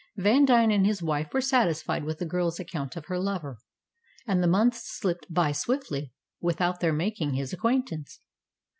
Vandine and his wife were satisfied with the girl's account of her lover, and the months slipped by swiftly without their making his acquaintance.